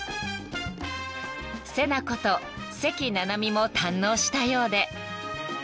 ［セナこと関菜々巳も堪能したようで］